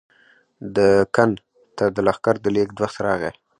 دکن ته د لښکر د لېږد وخت راغی.